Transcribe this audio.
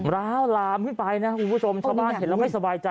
ร้าวลามขึ้นไปนะคุณผู้ชมชาวบ้านเห็นแล้วไม่สบายใจ